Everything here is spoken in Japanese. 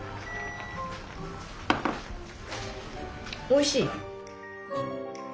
おいしい。